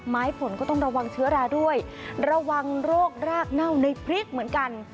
ผลก็ต้องระวังเชื้อราด้วยระวังโรครากเน่าในพริกเหมือนกัน